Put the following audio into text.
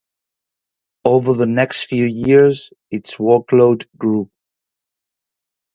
Over the next few years, its workload grew.